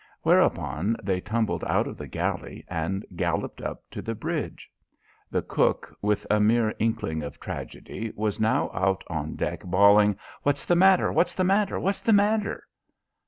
Whereupon they tumbled out of the galley and galloped up to the bridge. The cook with a mere inkling of tragedy was now out on deck bawling, "What's the matter? What's the matter? What's the matter?"